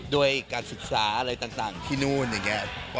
ด้วยการศึกษาอะไรต่างที่นู่นอย่างนี้